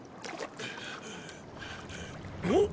おっ！